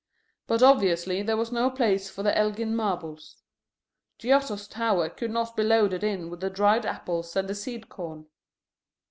But, obviously, there was no place for the Elgin marbles. Giotto's tower could not be loaded in with the dried apples and the seedcorn.